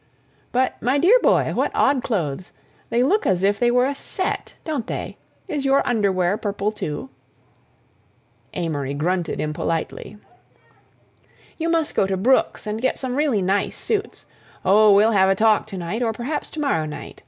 "But, my dear boy, what odd clothes! They look as if they were a set—don't they? Is your underwear purple, too?" Amory grunted impolitely. "You must go to Brooks' and get some really nice suits. Oh, we'll have a talk to night or perhaps to morrow night.